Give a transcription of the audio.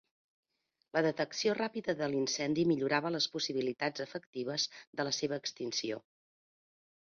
La detecció ràpida de l'incendi millorava les possibilitats efectives de la seva extinció.